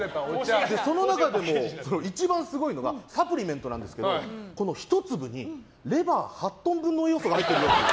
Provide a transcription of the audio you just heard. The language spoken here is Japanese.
その中でも一番すごいのがサプリメントなんですけど１粒にレバー８トン分の栄養素が入ってるよっていう。